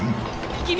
君！